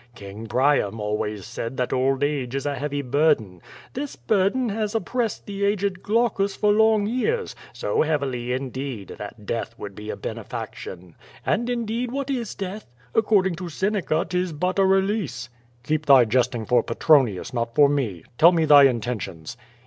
King Priam always said that old age is a heavy burden. This burden has oppressed the aged Glaucus for long years, so heavily, indeed, that death would be a bene faction. And, indeed, what is death? According to Seneca, 'tis but a release.'^ "Keep thy jesting for Petronius, not for me. Tell me thy intentions.